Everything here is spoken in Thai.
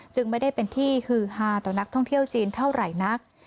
จึงไม่ได้เป็นที่ฮือฮาต่อนักท่องเที่ยวจีนเท่าไหร่นัก